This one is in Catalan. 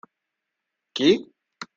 Qui?